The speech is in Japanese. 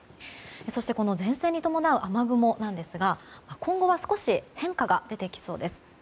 そしてこの前線に伴う雨雲なんですが今後は少し変化が出てきそうです。